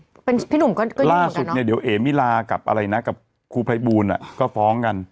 พี่หนุ่มก็ยังอยู่เหมือนกันเนาะล่าสุดเนี่ยเดี๋ยวเอ๋มิลากับครูพร้ายบูนก็ฟ้องกัน